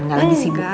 enggak lagi sibuk